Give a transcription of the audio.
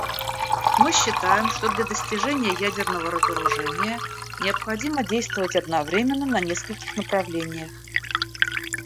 Мы считаем, что для достижения ядерного разоружения необходимо действовать одновременно на нескольких направлениях.